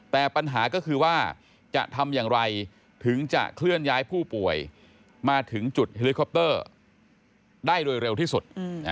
แต่ปัญหาก็คือว่าจะทำอย่างไรถึงจะเคลื่อนย้ายผู้ป่วยมาถึงจุดเฮลิคอปเตอร์ได้โดยเร็วที่สุด